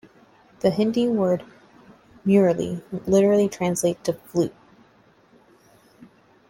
The Hindi word "murli" literally translates to "flute".